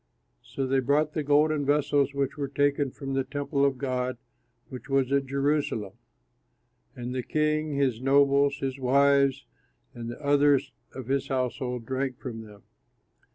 So they brought the golden vessels which were taken from the temple of God which was at Jerusalem. And the king, his nobles, his wives, and the others of his household drank from them.